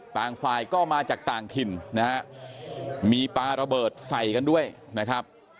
ต่างฝ่ายก็มาจากต่างถิ่นนะฮะมีปลาระเบิดใส่กันด้วยนะครับ